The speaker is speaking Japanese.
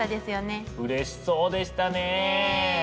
うれしそうでしたね。ね。